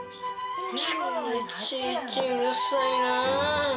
いちいちうるさいなぁ。